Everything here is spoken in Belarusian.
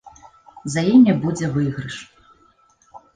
За імі будзе выйгрыш.